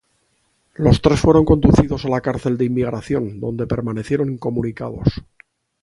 Los tres fueron conducidos a la Cárcel de Inmigración, donde permanecieron incomunicados.